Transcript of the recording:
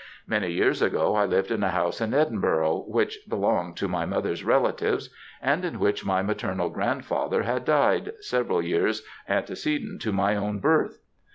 Many years ago I lived in a house in Edinburgh, which belonged to my mother's relatives, and in which my maternal grandfather had died, several years antecedent to my own birth.